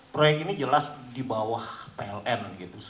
proyek ini jelas di bawah pln